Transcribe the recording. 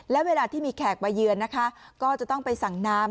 และเวลาที่มีแขกมาเยือนนะคะก็จะต้องไปสั่งน้ำ